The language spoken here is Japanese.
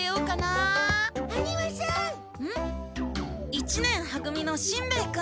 一年は組のしんべヱ君。